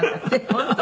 本当？